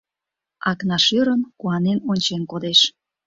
Акнаш ӧрын, куанен ончен кодеш.